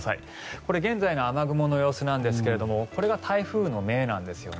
これは現在の雨雲の様子なんですけれどもこれが台風の目なんですよね。